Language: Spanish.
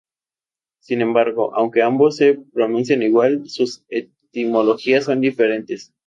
Sin embargo, aunque ambos se pronuncian igual, sus etimologías son diferentes.